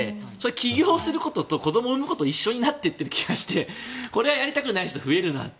起業することと子供のことが同じになっている気がしてこれはやりたくない人増えるなって。